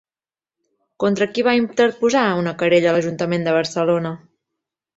Contra qui va interposar una querella l'Ajuntament de Barcelona?